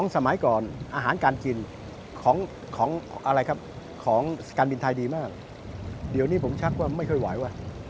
สมัยก่อนอาหารการกินของการบินไทยดีมากเดี๋ยวนี้ผมชัดว่าไม่เคยไหว